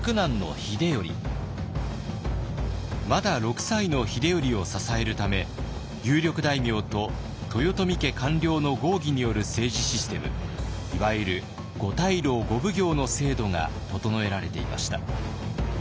まだ６歳の秀頼を支えるため有力大名と豊臣家官僚の合議による政治システムいわゆる五大老・五奉行の制度が整えられていました。